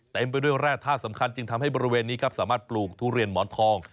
เต็มไปด้วยแร่ธาตุสำคัญจึงทำให้บริเวณนี้ครับสามารถปลูกทุเรียนหมอนทอง